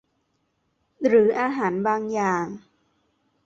หรืออาหารบางอย่าง